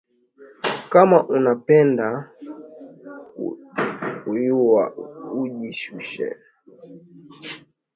Kama unapenda kuyuwa uji shushe